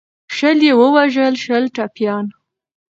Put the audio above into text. شل یې ووژل شل ټپیان.